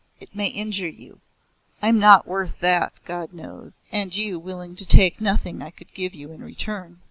It may injure you. I'm not worth that, God knows. And you will take nothing I could give you in return."